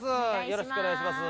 よろしくお願いします。